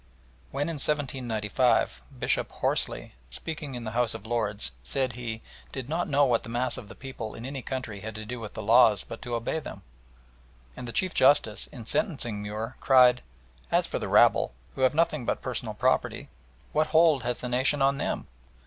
When in 1795 Bishop Horsley, speaking in the House of Lords, said he "did not know what the mass of the people in any country had to do with the laws but to obey them"; and the Chief Justice, in sentencing Muir, cried, "As for the rabble, who have nothing but personal property, what hold has the nation on them?"